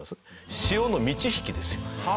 潮の満ち引きですよ。